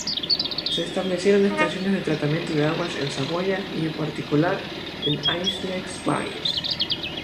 Se establecieron estaciones de tratamiento de aguas en Saboya y, en particular, en Aix-les-Bains.